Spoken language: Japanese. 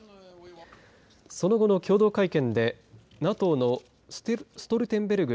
その後の共同会見でＮＡＴＯのストルテンベルグ